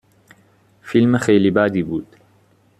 فیلم خیلی بدی بود